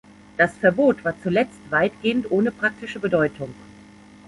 Das Verbot war zuletzt weitgehend ohne praktische Bedeutung.